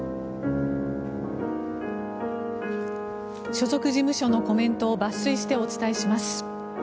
所属事務所のコメントを抜粋してお伝えします。